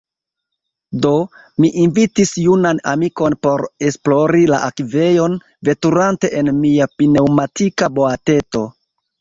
Do, mi invitis junan amikon por esplori la akvejon, veturante en mia pneŭmatika boateto.